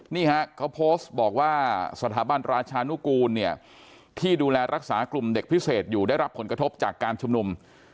นี่ฮะเขาโพสต์บอกว่าสถาบันราชานุกูลเนี่ยที่ดูแลรักษากลุ่มเด็กพิเศษอยู่ได้รับผลกระทบจากการชุมนุม